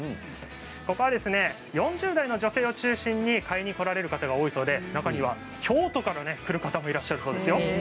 ここは４０代の女性を中心に買いに来られる方が多いそうで中には京都から来る方もいらっしゃるそうです。